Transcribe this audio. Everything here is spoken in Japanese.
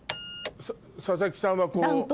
佐々木さんはこう。